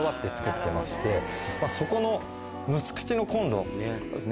そこの６つ口のコンロですね。